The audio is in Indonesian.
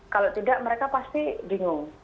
kalau tidak mereka pasti bingung